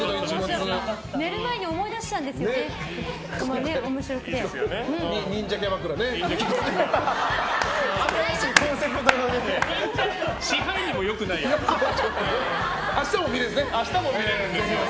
寝る前に思い出しちゃうんですよね。